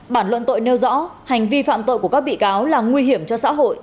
bản luận tội nêu rõ hành vi phạm tội của các bị cáo là nguy hiểm cho xã hội